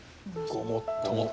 ごもっとも。